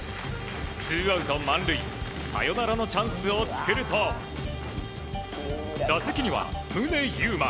ツーアウト満塁サヨナラのチャンスを作ると打席には、宗佑磨。